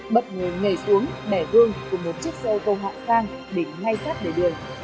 bật người ngầy xuống bẻ đuông cùng một chiếc xe ô tô hạng sang đỉnh ngay sát đề đường